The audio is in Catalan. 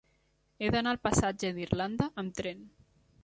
He d'anar al passatge d'Irlanda amb tren.